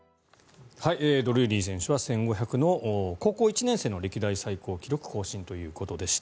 ドルーリー選手は１５００ｍの高校１年生の歴代最高記録更新ということでした。